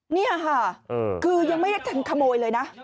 นี่ค่ะคือยังไม่ได้ทันขโมยเลยนะ